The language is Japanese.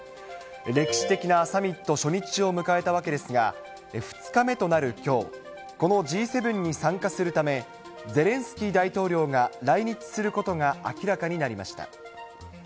歴史的なサミット初日を迎えたわけですが、２日目となるきょう、このＧ７に参加するため、ゼレンスキー大統領が来日することが明らかになりました。